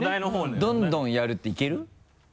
どんどんやるっていける？